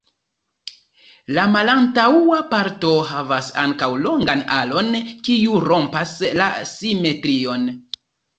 La malantaŭa parto havas ankaŭ longan alon, kiu rompas la simetrion.